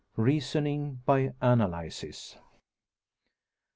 REASONING BY ANALYSIS.